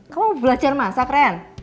kamu belajar masak ren